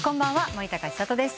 森高千里です。